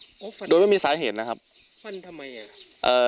โอ้โหฟันโดยไม่มีสาเหตุนะครับฟันทำไมอ่ะเอ่อ